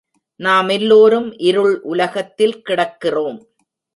நாம் எல்லோரும் இருள் உலகத்தில் கிடக்கிறோம்.